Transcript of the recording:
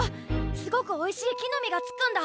すごくおいしい木の実がつくんだ。